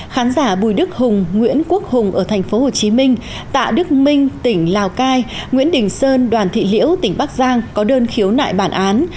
khán giả bùi đức hùng nguyễn quốc hùng ở tp hcm tạ đức minh tỉnh lào cai nguyễn đình sơn đoàn thị liễu tỉnh bắc giang có đơn khiếu nại bản án